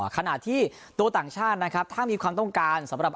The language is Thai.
ขณะที่ตัวต่างชาตินะครับถ้ามีความต้องการสำหรับ